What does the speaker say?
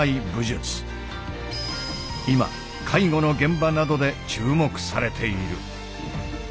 今介護の現場などで注目されている。